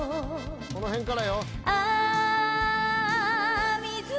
この辺からよ。